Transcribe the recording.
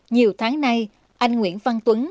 nhiều tháng nay anh nguyễn văn tuấn